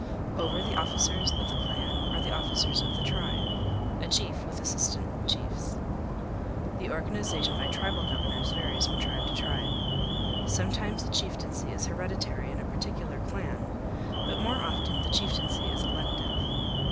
Over the officers of the clan are the officers of the tribe, a chief with assistant chiefs. The organization by tribal governors varies from tribe to tribe. Sometimes the chieftaincy is hereditary in a particular clan, but more often the chieftaincy is elective.